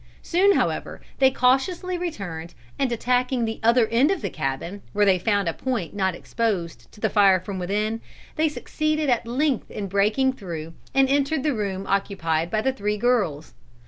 Soon, however, they cautiously returned, and attacking the other end of the cabin, where they found a point not exposed to the fire from within, they succeeded at length in breaking through, and entered the room occupied by the three girls.